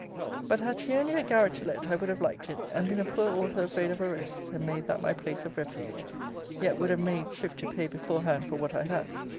But had she only a garret to let, I would have liked it; and been a poor author afraid of arrests, and made that my place of refuge; yet would have made shift to pay beforehand for what I had.